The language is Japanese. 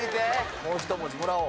もう１文字もらおう。